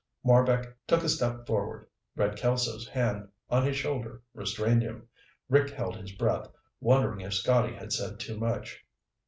Marbek took a step forward. Red Kelso's hand on his shoulder restrained him. Rick held his breath, wondering if Scotty had said too much.